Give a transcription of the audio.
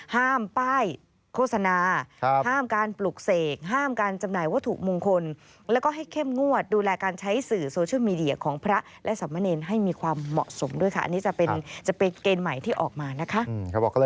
ห้ามป้ายโฆษณาห้ามการปลุกเสกห้ามการจำหน่ายวัตถุมงคล